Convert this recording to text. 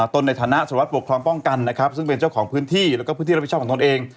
ตนในฐานะสวัสดิปกครองป้องกันนะครับซึ่งเป็นเจ้าของพื้นที่แล้วก็พื้นที่รับผิดชอบของตนเอง